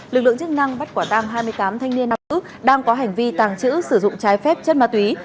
lực lượng chức năng bắt quả tăng hai mươi tám thanh niên nam nữ đang có hành vi tảng trữ sử dụng trái phép chân ma túy